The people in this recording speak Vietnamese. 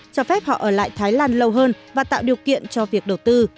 cho phép họ ở lại thái lan lâu hơn và tạo điều kiện cho việc đầu tư